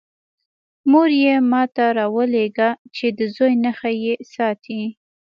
مور یې ما ته راولېږه چې د زوی نښه یې ساتی.